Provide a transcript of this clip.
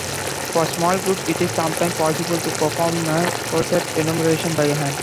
For small groups it is sometimes possible to perform a coset enumeration by hand.